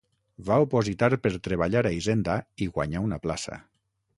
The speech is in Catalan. Va opositar per treballar a Hisenda i guanyà una plaça.